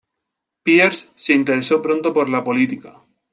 Pierce se interesó pronto por la política.